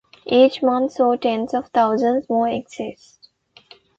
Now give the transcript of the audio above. Each month saw tens of thousands more exit.